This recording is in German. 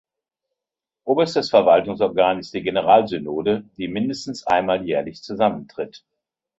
Oberstes Verwaltungsorgan ist die Generalsynode, die mindestens einmal jährlich zusammentritt.